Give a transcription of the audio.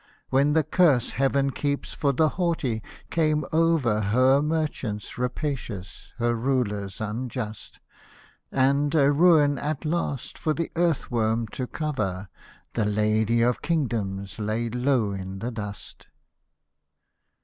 When the curse Heaven keeps for the haughty came over Her merchants rapacious, her rulers unjust. And, a ruin, at last, for the earthworm to cover. The Lady of Kingdoms lay low in the dust.